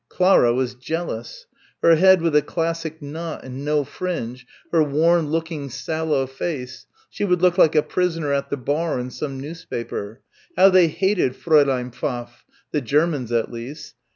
Clara was jealous. Her head with a classic knot and no fringe, her worn looking sallow face.... She would look like a "prisoner at the bar" in some newspaper. How they hated Fräulein Pfaff. The Germans at least.